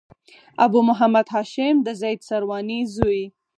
ابو محمد هاشم د زيد سرواني زوی.